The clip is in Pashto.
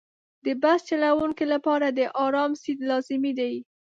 د بس چلوونکي لپاره د آرام سیټ لازمي دی.